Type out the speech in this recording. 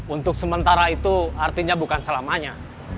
untuk sementara itu artinya bukan selamanya